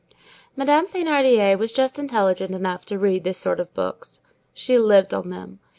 Madame Thénardier was just intelligent enough to read this sort of books. She lived on them.